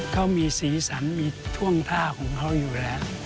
เขามีสีสันมีท่วงท่าของเขาอยู่แล้ว